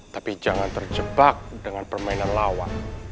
tapi jangan terjebak dengan permainan lawan